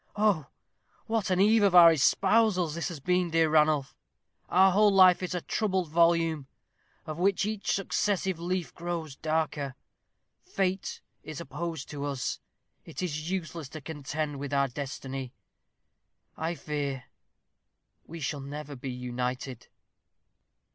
Oh, what an eve of our espousals has this been, dear Ranulph. Our whole life is a troubled volume, of which each successive leaf grows darker. Fate is opposed to us. It is useless to contend with our destiny. I fear we shall never be united."